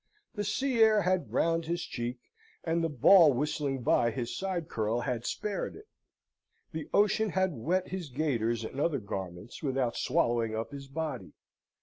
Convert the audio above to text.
The sea air had browned his cheek, and the ball whistling by his side curl had spared it. The ocean had wet his gaiters and other garments, without swallowing up his body.